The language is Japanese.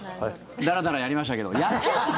だらだらやりましたけど焼けと。